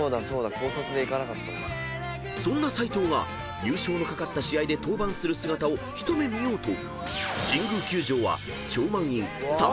［そんな斎藤が優勝の懸かった試合で登板する姿を一目見ようと］